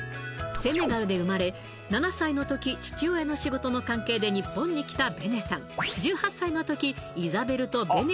セネガルで生まれ７歳の時父親の仕事の関係で日本に来たベネさん